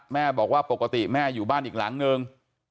แม่บอกว่าปกติแม่อยู่บ้านอีกหลังนึง